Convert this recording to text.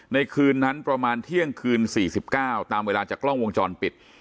ในคืนนั้นประมาณเที่ยงคืนสี่สิบเก้าตามเวลาจากกล้องวงจรปิด